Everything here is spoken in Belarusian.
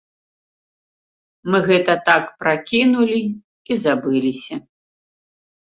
Мы гэта так пракінулі і забыліся.